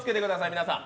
皆さん。